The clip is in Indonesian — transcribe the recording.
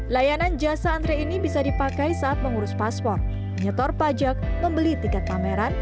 layanan jasa antre ini bisa dipakai saat mengurus paspor menyetor pajak membeli tiket pameran